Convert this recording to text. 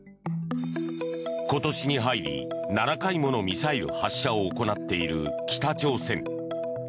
今年に入り７回ものミサイル発射を行っている北朝鮮。